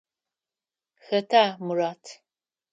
Хэта Мурат?